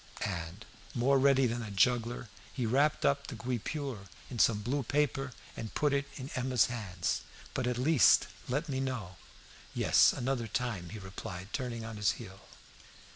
And, more ready than a juggler, he wrapped up the guipure in some blue paper and put it in Emma's hands. "But at least let me know " "Yes, another time," he replied, turning on his heel.